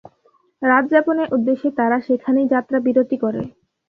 রাত যাপনের উদ্দেশে তারা সেখানেই যাত্রা বিরতি করে।